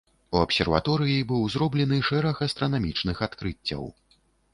У абсерваторыі быў зроблены шэраг астранамічных адкрыццяў.